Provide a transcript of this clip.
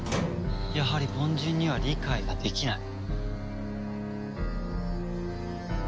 やはり凡人には理解ができない。